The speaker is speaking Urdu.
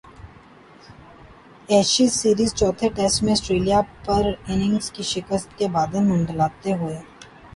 ایشز سیریز چوتھے ٹیسٹ میں سٹریلیا پر اننگز کی شکست کے بادل منڈلانے لگے